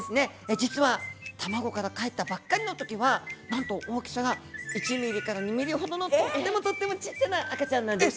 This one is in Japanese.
実は卵からかえったばっかりのときはなんと大きさが１２ｍｍほどのとってもとってもちっちゃな赤ちゃんなんです。